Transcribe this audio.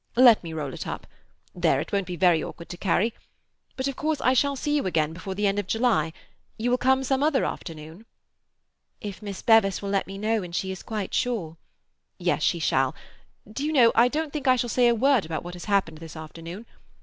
"Let me roll it up. There; it won't be very awkward to carry. But of course I shall see you again before the end of July? You will come some other afternoon?" "If Miss Bevis will let me know when she is quite sure—" "Yes, she shall. Do you know, I don't think I shall say a word about what has happened this afternoon.